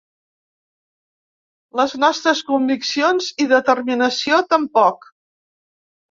Les nostres conviccions i determinació tampoc.